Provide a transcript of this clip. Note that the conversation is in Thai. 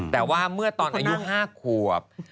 แต่ว่าเมื่อตอนอายุ๕ขวบ